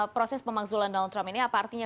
proses pemakzulan donald trump ini apa artinya